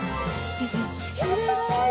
きれいだね。